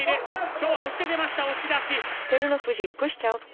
きょうは押して出ました、押し出し。